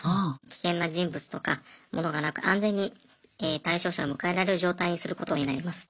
危険な人物とか物がなく安全に対象者を迎えられる状態にすることになります。